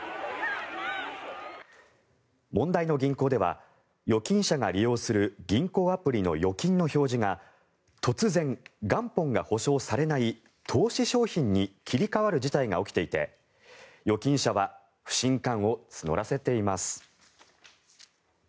問題の銀行では預金者が利用する銀行アプリの「預金」の表示が突然、元本が保証されない投資商品に切り替わる事態が起きていて預金者は不信感を募らせています。